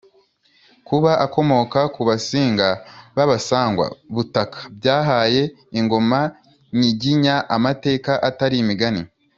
kuba akomoka ku Basinga b’Abasangwa-butaka, byahaye ingoma nyiginya amateka atari imigani.